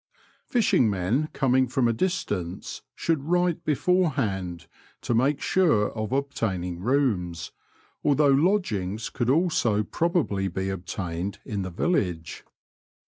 Fishing men coming from a distance should write beforehand, to make sure of obtaining rooms, although lodgings could also probably be obtained in the village.